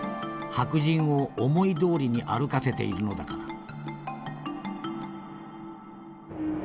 白人を思いどおりに歩かせているのだから」。